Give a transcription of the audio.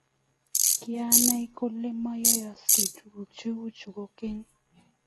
Kiyaani kole mayoyosgei tuguk cheichu kogeny